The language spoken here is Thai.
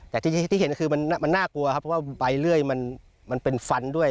แต่ที่เห็นคือมันน่ากลัวครับเพราะว่าใบเลื่อยมันเป็นฟันด้วย